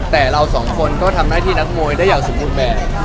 แต่เราสองคนก็ทำหน้าที่นักมวยได้อย่างสมบูรณ์แบบ